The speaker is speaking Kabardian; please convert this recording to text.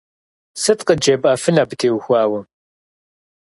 Сыт къыджепӀэфын абы теухуауэ?